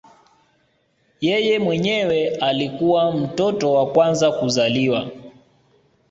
Yeye mwenyewe alikuwa mtoto wa kwanza kuzaliwa